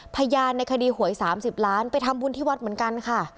พยานในคดีหวย๓๐ล้านไปทำบุญที่วัดเหมือนกันค่ะ